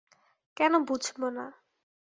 কেন বুঝব না?